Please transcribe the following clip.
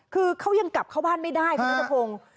คือเขายังกลับเข้าบ้านไม่ได้คุณนัทพงศ์